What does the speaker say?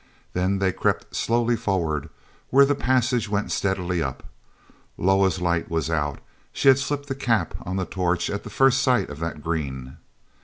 Then they crept slowly forward, where the passage went steadily up. Loah's light was out; she had slipped the cap on the torch at the first sight of that green.